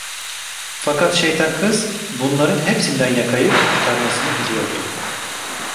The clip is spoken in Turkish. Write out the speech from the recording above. Fakat şeytan kız, bunların hepsinden yakayı kurtarmasını biliyordu.